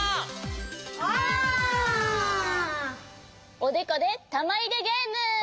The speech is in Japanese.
おでこでたまいれゲーム！